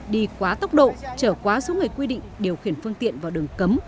đi quá tốc độ trở quá số người quy định điều khiển phương tiện vào đường cấm